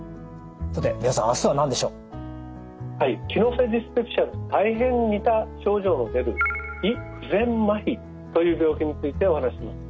機能性ディスペプシアと大変似た症状の出る「胃不全まひ」という病気についてお話しします。